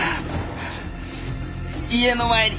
家の前に。